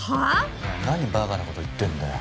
お前何ばかなこと言ってんだよ。